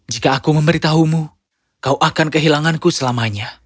jika aku memberitahumu kau akan kehilanganku selamanya